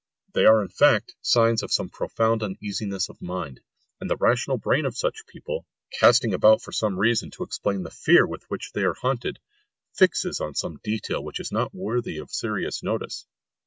They are in fact signs of some profound uneasiness of mind; and the rational brain of such people, casting about for some reason to explain the fear with which they are haunted, fixes on some detail which is not worthy of serious notice.